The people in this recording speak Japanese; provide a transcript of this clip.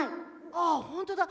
あっほんとだ。